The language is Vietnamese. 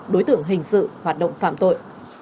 đối tượng hình sự hoạt động phạm tội